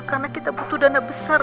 karena kita butuh dana besar